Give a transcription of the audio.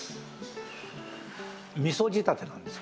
みそ仕立てなんです。